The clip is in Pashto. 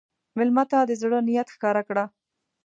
مېلمه ته د زړه نیت ښکاره کړه.